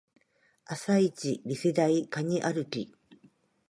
朝イチリセ台カニ歩き